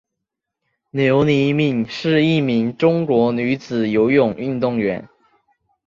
刘黎敏是一名中国女子游泳运动员。